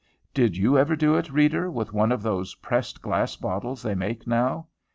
Did you ever do it, reader, with one of those pressed glass bottles they make now?